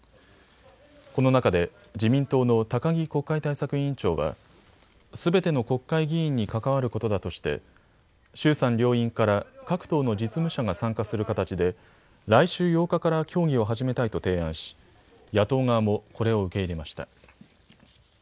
この中で自民党の高木国会対策委員長はすべての国会議員に関わることだとして衆参両院から各党の実務者が参加する形で来週８日から協議を始めたいと提案し、野党側もこれを受け入れました。